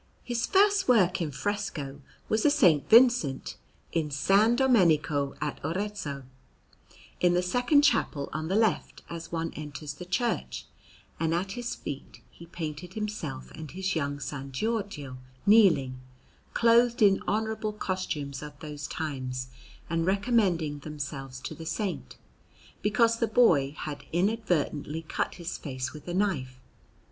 His first work in fresco was a S. Vincent in S. Domenico at Arezzo, in the second chapel on the left as one enters the church; and at his feet he painted himself and his young son Giorgio kneeling, clothed in honourable costumes of those times, and recommending themselves to the Saint, because the boy had inadvertently cut his face with a knife.